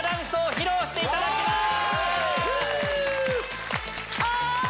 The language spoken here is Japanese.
披露していただきます！